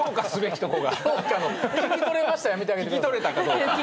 聞き取れたかどうか。